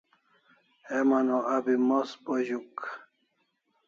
Heman o abi mos bo zuk